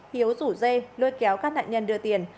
hiếu rủ dê lôi kéo các nạn nhân đưa tiền